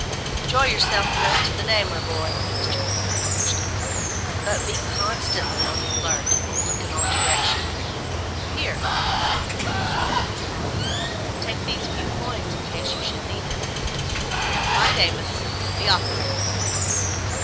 "Enjoy yourself the rest of the day, my boy," Mr. Wicker urged. "But be constantly on the alert and look in all directions. Here," he said putting his hand in his pocket, "take these few coins in case you should need them. Now find Amos, and be off with you!"